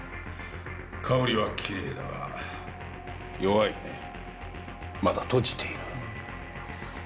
香りはきれいだが弱いねまだ閉じている。